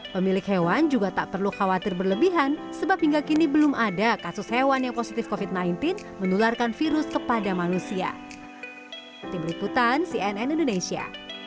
pemilik hewan juga tak perlu khawatir berlebihan sebab hingga kini belum ada kasus hewan yang positif covid sembilan belas menularkan virus kepada manusia